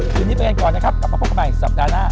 คืนนี้ไปกันก่อนนะครับกลับมาพบกันใหม่สัปดาห์หน้า